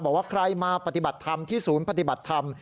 บอกว่าใครมาปฏิบัติธรรมที่ศูนย์ปฏิบัติธรรม